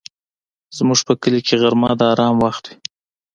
زموږ په کلي کې غرمه د آرام وخت وي